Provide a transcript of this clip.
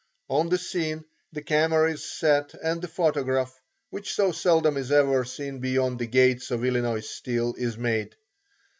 On the scene, the camera is set and the photograph which so seldom is ever seen beyond the gates of Illinois Steel is made.